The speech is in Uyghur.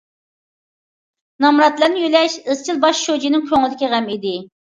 نامراتلارنى يۆلەش ئىزچىل باش شۇجىنىڭ كۆڭلىدىكى غەم ئىدى.